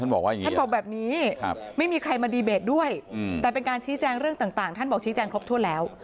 ท่านบอกแบบนี้ไม่มีใครมาดีเบตด้วยแต่เป็นการชี้แจงเรื่องต่างท่านบอกชี้แจงครบถ้วนแล้ว